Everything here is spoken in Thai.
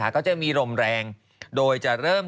ก็จะมีลมแรงโดยจะเริ่ม